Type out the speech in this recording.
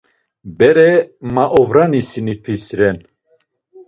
Bere maovrani sinifis ren.